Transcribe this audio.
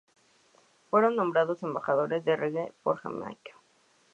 Fueron nombrados embajadores del reggae por Jamaica.